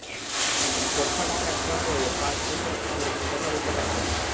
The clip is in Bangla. পক্ষাঘাতে আক্রান্ত হয়ে পাঁচ বছর ধরে তিনি কথা বলতে পারতেন না।